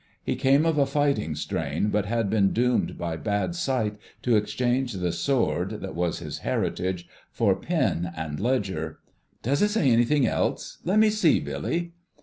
He came of a fighting strain, but had been doomed by bad sight to exchange the sword, that was his heritage, for pen and ledger. "Does it say anything else—let me see, Billy."